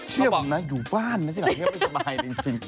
พี่บอกนะอยู่บ้านนะสิงแทบไม่สบายจริง